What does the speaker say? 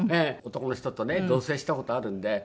男の人とね同棲した事あるんで。